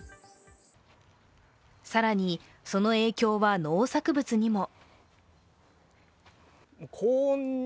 更にその影響は農作物にも。